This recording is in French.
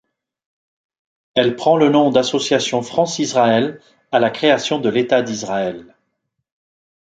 Elle prend le nom d'Association France-Israël à la création de l'État d'Israël.